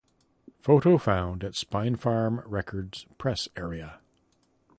Photo found at Spinefarm Records press area.